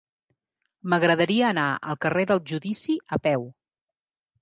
M'agradaria anar al carrer del Judici a peu.